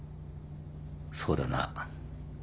そうだな。